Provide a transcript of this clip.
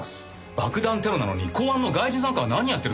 爆弾テロなのに公安の外事三課は何やってるんです？